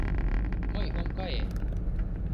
Мый ом кае.